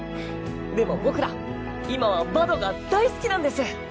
でも僕ら今はバドが大好きなんです！